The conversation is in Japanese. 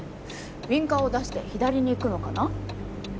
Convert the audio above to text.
ウィンカーを出して左に行くのかな？